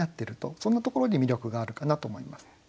そんなところに魅力があるかなと思います。